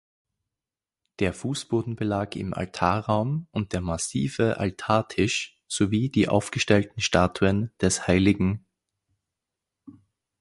Der Fußbodenbelag im Altarraum und der massive Altartisch sowie die aufgestellten Statuen des hl.